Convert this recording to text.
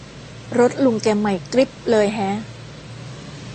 รถลุงแกใหม่กริ๊บเลยแฮะ